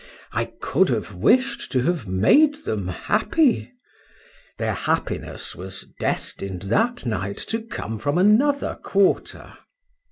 —I could have wish'd to have made them happy:—their happiness was destin'd that night, to come from another quarter.